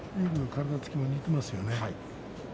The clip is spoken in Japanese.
体つきは似てますよね。